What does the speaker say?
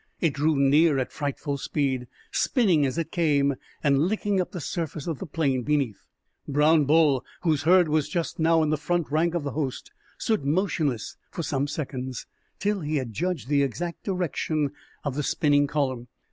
It drew near at frightful speed, spinning as it came, and licking up the surface of the plain beneath. Brown Bull, whose herd was just now in the front rank of the host, stood motionless for some seconds, till he had judged the exact direction of the spinning column.